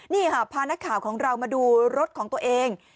นี่ค่ะพานักข่าวของเรามาดูรถของตัวเอง